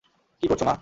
কী করছো, মা?